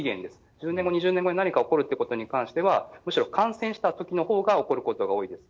１０年後、２０年後に何か起こるということに関しては、むしろ感染したときのほうが起こることが多いです。